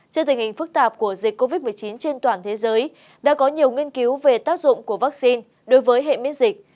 trước tình hình phức tạp của dịch covid một mươi chín trên toàn thế giới đã có nhiều nghiên cứu về tác dụng của vaccine đối với hệ miễn dịch